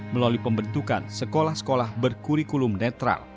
melalui pembentukan sekolah sekolah berkurikulum netral